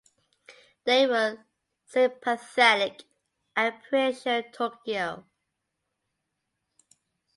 They were sympathetic and pressured Tokyo.